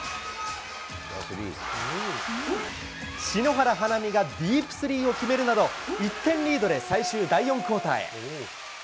篠原華実がディープスリーを決めるなど、１点リードで最終第４クオーターへ。